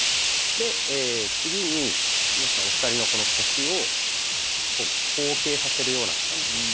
で次にお二人のこの腰を後傾させるような形。